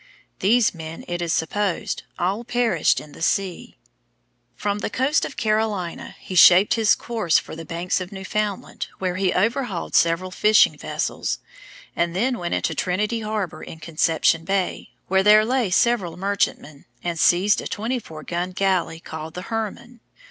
These men, it is supposed, all perished in the sea. From the coast of Carolina he shaped his course for the banks of Newfoundland, where he overhauled several fishing vessels, and then went into Trinity Harbor in Conception Bay, where there lay several merchantmen, and seized a 24 gun galley, called the Herman.